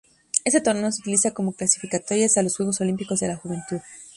Este torneo se utiliza como clasificatorias a la Juegos Olímpicos de la Juventud.